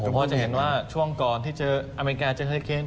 พอจะเห็นว่าช่วงก่อนที่อเมริกาเจออเฮอริเคนส์